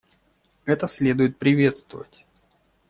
Это следует приветствовать.